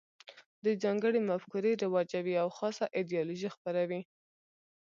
دوی ځانګړې مفکورې رواجوي او خاصه ایدیالوژي خپروي